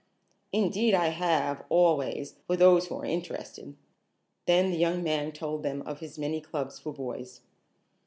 "Indeed I have, always, for those who are interested." Then the young man told them of his many clubs for boys.